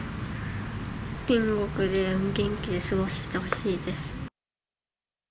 天国で元気で過ごしてほしいです。